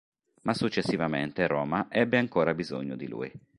Ma successivamente Roma ebbe ancora bisogno di lui.